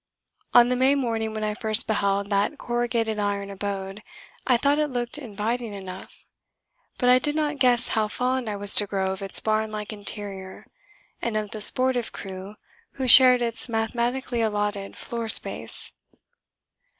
On the May morning when I first beheld that corrugated iron abode I thought it looked inviting enough; but I did not guess how fond I was to grow of its barn like interior and of the sportive crew who shared its mathematically allotted floor space.